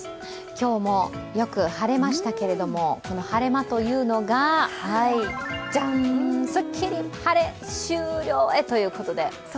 今日もよく晴れましたけれども、この晴れ間というのが、じゃん、スッキリ晴れ終了へということで？